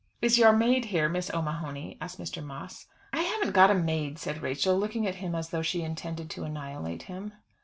"Is your maid here, Miss O'Mahony?" asked Mr. Moss. "I haven't got a maid," said Rachel, looking at him as though she intended to annihilate him.